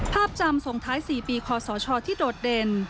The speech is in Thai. ภาพจำส่งท้าย๔ปีคศที่โดดเด่น